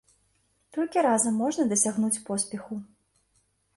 Толькі разам можна дасягнуць поспеху.